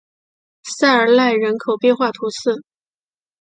塞尔奈人口变化图示